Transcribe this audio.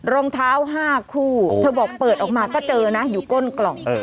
รองเท้า๕คู่เธอบอกเปิดออกมาก็เจอนะอยู่ก้นกล่อง